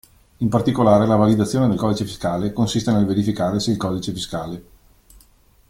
In particolare, la validazione del codice fiscale consiste nel verificare se il codice fiscale.